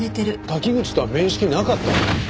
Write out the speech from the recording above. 滝口とは面識なかったの？